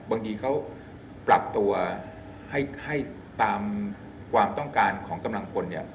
บางทีเขาปรับตัวให้ตามความต้องการของกำลังพลเนี่ย